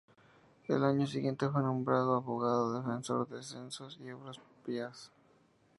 Al año siguiente fue nombrado abogado defensor de Censos y Obras Pías.